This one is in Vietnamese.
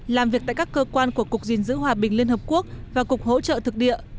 làm việc tại các cơ quan của cục gìn giữ hòa bình liên hợp quốc và cục hỗ trợ thực địa